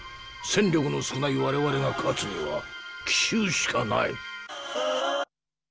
戦力の少ない我々が勝つには奇襲しかない。